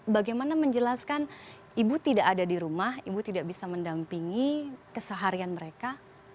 bagaimana menjelaskan ibu tidak ada di rumah ibu tidak bisa mendampingi keseharian mereka